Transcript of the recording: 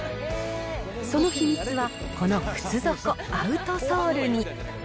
その秘密は、この靴底アウトソールに。